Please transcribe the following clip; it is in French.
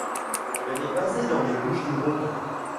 Elle est basée dans les Bouches-du-Rhône.